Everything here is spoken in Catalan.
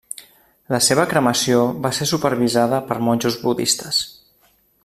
La seva cremació va ser supervisada per monjos budistes.